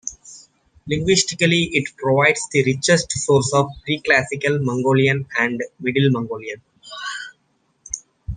Linguistically, it provides the richest source of pre-classical Mongolian and Middle Mongolian.